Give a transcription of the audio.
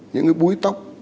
những búi tóc